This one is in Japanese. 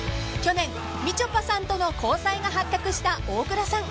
［去年みちょぱさんとの交際が発覚した大倉さん］